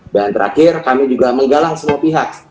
dan terakhir kami juga menggalang semua pihak